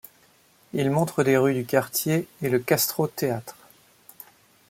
Il montre des rues du quartier et le Castro Theatre.